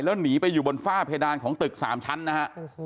แล้วหนีไปอยู่บนฝ้าเพดานของตึก๓ชั้นนะฮะ